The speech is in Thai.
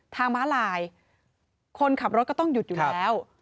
ม้าลายคนขับรถก็ต้องหยุดอยู่แล้ว